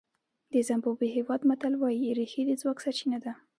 د زیمبابوې هېواد متل وایي رېښې د ځواک سرچینه ده.